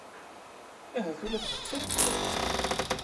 Ahat ula d nettat tra-k.